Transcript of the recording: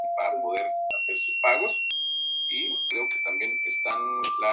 Están presentes en Arauca y Casanare.